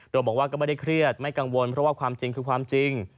โดยบอกว่าก็ไม่ได้เครียดไม่กังวลเพราะว่าความจริงคือความจริง